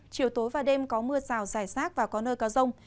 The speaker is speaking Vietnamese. chiều tối và đêm có mưa rào rải rác và có nơi có rông